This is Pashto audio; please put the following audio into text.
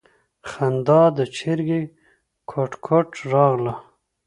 خندا د چرگې کوټ کوټ راغله.